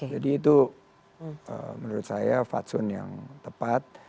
jadi itu menurut saya fatsun yang tepat